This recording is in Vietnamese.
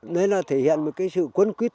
nó thể hiện một cái sự cuốn quyết